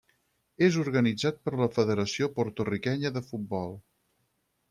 És organitzat per la Federació Porto-riquenya de Futbol.